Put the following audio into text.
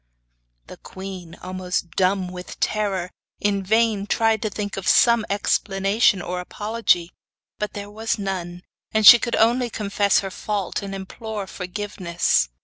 The queen, almost dumb with terror, in vain tried to think of some explanation or apology; but there was none, and she could only confess her fault and implore forgiveness.